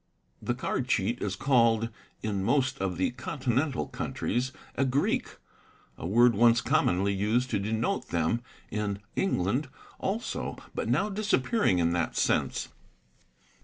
The card cheat is called in most of the continental countries a "Greek'', a word once commonly used to denote them in England also but now disappearing in that sense.